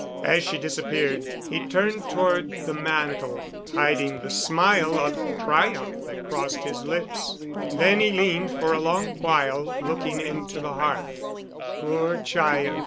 As she disappeared he turned toward the mantel, hiding the smile of triumph that crossed his lips. Then he leaned for a long while looking into the hearth. "Poor child!"